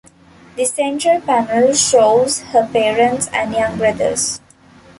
The central panel shows her parents and young brothers.